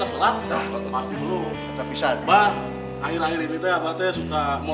emang si neng tuh kayak abah yang usaya saja sama skemot